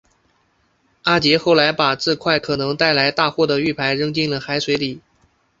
阿杰后来把这块可能带来大祸的玉牌扔进了海水里。